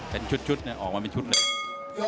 เป็นชุดออกมาเป็นชุดเลย